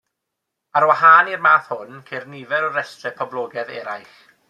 Ar wahân i'r math hwn, ceir nifer o restrau poblogaidd eraill.